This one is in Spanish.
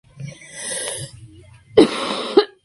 Más adelante pasó al fútbol europeo.